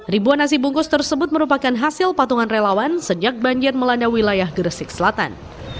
ribuan nasi bungkus tersebut merupakan hasil patungan relawan sejak banjir melanda wilayah gresik selatan